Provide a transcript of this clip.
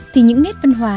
thì những nét văn hóa